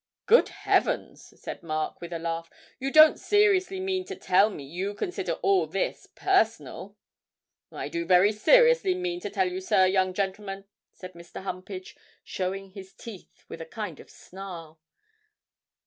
'Good heavens,' said Mark, with a laugh, 'you don't seriously mean to tell me you consider all this personal?' 'I do very seriously mean to tell you so, young gentleman,' said Mr. Humpage, showing his teeth with a kind of snarl.